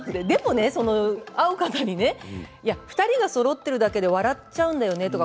でもねお二人がそろっているだけで笑っちゃうんだよね。